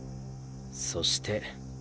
そして。